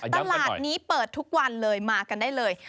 ตลาดนี้เปิดทุกวันเลยมากันได้เลย